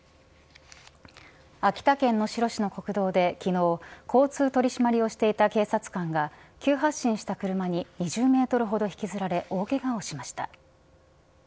秋田県能代市の国道で昨日交通取り締まりをしていた警察官が急発進した車に２０メートルほど引きずられ、大けがをしました。